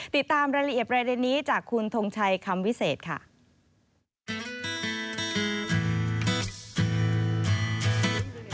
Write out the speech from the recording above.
ติดตามรายละเอียดประเด็นนี้จากคุณทงชัยคำวิเศษค่ะ